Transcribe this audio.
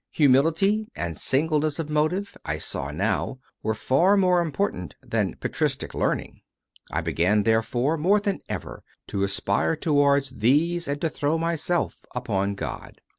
Humility and singleness of motive, I saw now, were far more important than patristic learning. I began, there fore, more than ever to aspire towards these and to throw myself upon God.